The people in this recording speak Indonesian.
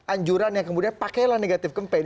anjuran yang kemudian pakailah negatif campaign